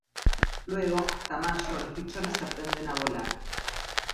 Luego, hasta mayo los pichones aprenden a volar.